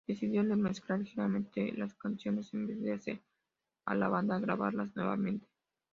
Decidió remezclar ligeramente las canciones, en vez de hacer a la banda grabarlas nuevamente.